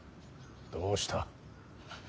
どうした。